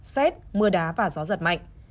xét mưa đá và gió giật mạnh